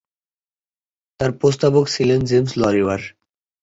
তার প্রস্তাবক ছিলেন জেমস লরিমার।